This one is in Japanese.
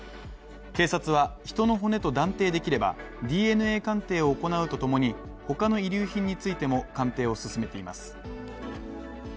警察は、人の骨と断定できれば、ＤＮＡ鑑定を行うとともに、他の遺留品についても鑑定を進めています。